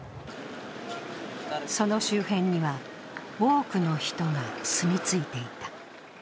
その周辺には、多くの人が住みついていた。